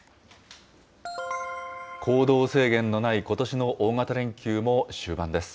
行動制限のないことしの大型連休も終盤です。